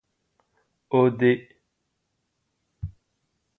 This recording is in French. Au d